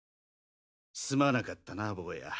すまなかったなボウヤ。